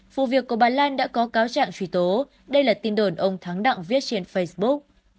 vụ việc của bà lan đã có cáo trạng truy tố đây là tin đồn ông thắng đặng viết trên facebook